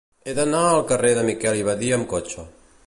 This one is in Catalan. He d'anar al carrer de Miquel i Badia amb cotxe.